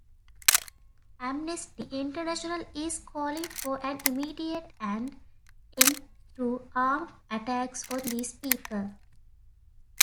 Amnesty International is calling for an immediate end to armed attacks on these people.